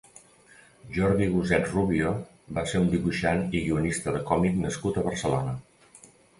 Jordi Goset Rubio va ser un dibuixant i guionista de còmic nascut a Barcelona.